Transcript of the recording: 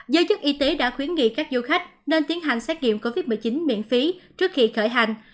giới chức y tế đã khuyến nghị các du khách nên tiến hành xét nghiệm covid một mươi chín miễn phí trước khi khởi hành